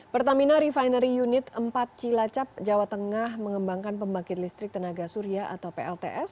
pertamina refinery unit empat cilacap jawa tengah mengembangkan pembangkit listrik tenaga surya atau plts